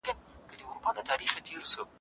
د شاپيرۍ په وار زوکړی